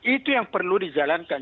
itu yang perlu dijalankan